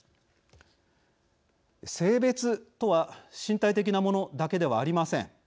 性別とは身体的なものだけではありません。